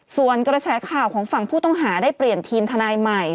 ส่วนกระแสข่าวของฝั่งผู้ต้องหาได้เปลี่ยนทีมทนายใหม่